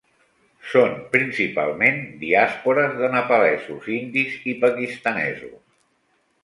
Són principalment diàspores de nepalesos, indis i pakistanesos.